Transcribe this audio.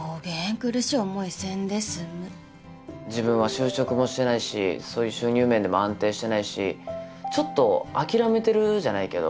苦しい思いせんで済む自分は就職もしてないしそういう収入面でも安定してないしちょっと諦めてるじゃないけど